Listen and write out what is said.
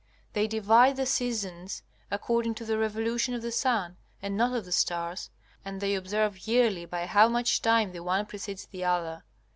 They divide the seasons according to the revolution of the sun, and not of the stars, and they observe yearly by how much time the one precedes the other.